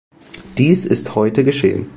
Dies ist heute geschehen.